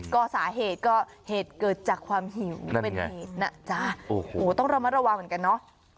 ก็สาเหตุก็เหตุเกิดจากความหิวเป็นเหตุนะจ๊ะโอ้โหต้องระมัดระวังเหมือนกันเนอะ